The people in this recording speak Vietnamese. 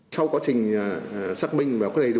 sau quá trình xác minh và có đầy đủ